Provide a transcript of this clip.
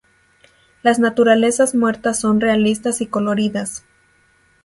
Las naturalezas muertas son realistas y coloridas.